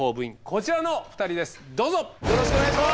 こちらの２人ですどうぞ！